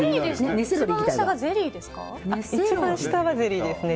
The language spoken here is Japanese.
一番下はゼリーですか？